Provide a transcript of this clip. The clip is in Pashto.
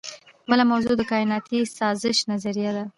بله موضوع د کائناتي سازش نظریه ده.